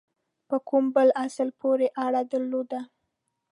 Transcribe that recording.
په کوم بل اصل پوري اړه درلوده.